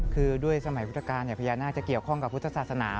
คือด้วยสมัยพุทธกาลพญานาคจะเกี่ยวข้องกับพุทธศาสนา